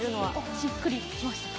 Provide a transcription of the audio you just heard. しっくりきましたか？